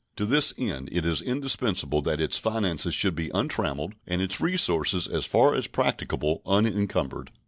To this end it is indispensable that its finances should be untrammeled and its resources as far as practicable unencumbered.